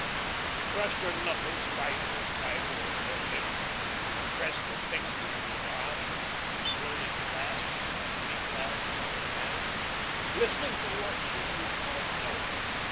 She crushed her knuckles tighter and tighter over her lips, she pressed her fingers to her eyes, she slowly clasped and reclasped her hands, listening for what she did not know.